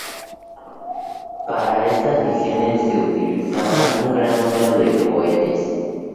Para estas misiones se utilizaban un gran número de cohetes.